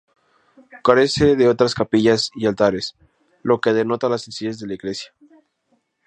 Carece de otras capillas y altares, lo que denota la sencillez de la iglesia.